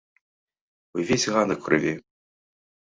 Увесь ганак у крыві.